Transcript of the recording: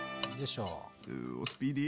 うおスピーディー！